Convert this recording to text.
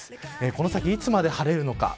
この先、いつまで晴れるのか。